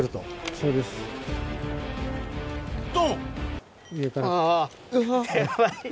そうです。と！